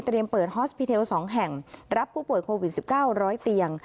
เปิดฮอสพิเทล๒แห่งรับผู้ป่วยโควิด๑๙๑๐๐เตียง